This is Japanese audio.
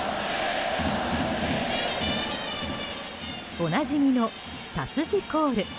おなじみのタツジコール。